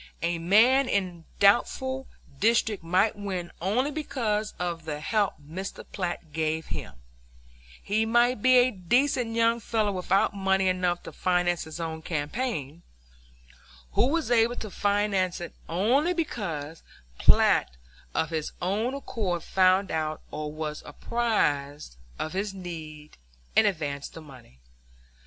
A man in a doubtful district might win only because of the help Mr. Platt gave him; he might be a decent young fellow without money enough to finance his own campaign, who was able to finance it only because Platt of his own accord found out or was apprised of his need and advanced the money.